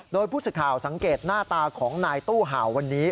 โดยผู้สื่อข่าวสังเกตหน้าตาของนายตู้เห่าวันนี้